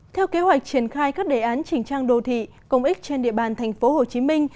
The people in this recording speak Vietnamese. theo kế hoạch triển khai các đề án chỉnh trang đô thị công ích trên địa bàn thành phố hồ chí minh